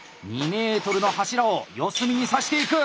２ｍの柱を四隅に挿していく！